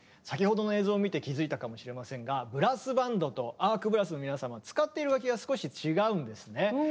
先ほどの映像を見て気付いたかもしれませんがブラスバンドとＡＲＫＢＲＡＳＳの皆様使っている楽器が少し違うんですね。